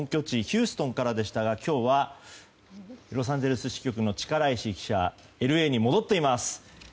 ヒューストンからでしたが今日はロサンゼルス支局の力石記者がＬＡに戻っています。